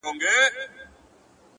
ورځيني ليري گرځــم ليــري گــرځــــم،